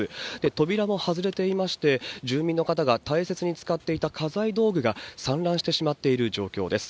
扉も外れていまして、住民の方が大切に使っていた家財道具が散乱してしまっている状況です。